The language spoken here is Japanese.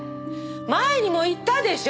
前にも言ったでしょ？